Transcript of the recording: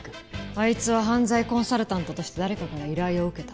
あいつは犯罪コンサルタントとして誰かから依頼を受けた。